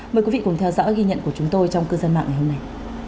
mời quý vị cùng theo dõi ghi nhận của chúng tôi trong cư dân mạng ngày hôm nay